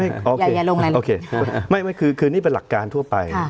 โอเคไม่คือคือนี่เป็นหลักการทั่วไป